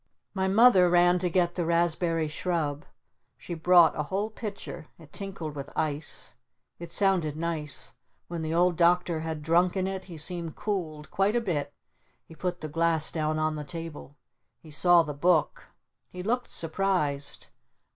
My Mother ran to get the Raspberry Shrub. She brought a whole pitcher. It tinkled with ice. It sounded nice. When the Old Doctor had drunken it he seemed cooled quite a little. He put the glass down on the table. He saw the Book. He looked surprised.